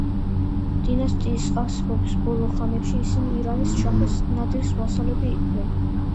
დინასტიის არსებობის ბოლო ხანებში ისინი ირანის შაჰის ნადირის ვასალები იყვნენ.